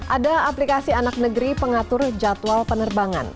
ada aplikasi anak negeri pengatur jadwal penerbangan